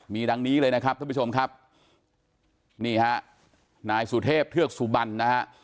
มีดังนี้เลยนะครับท่านผู้ชมครับนี่ฮะนายสุเทพเทือกสุบันนะฮะ